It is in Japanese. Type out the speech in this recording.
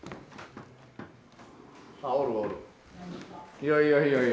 いやいやいやいや。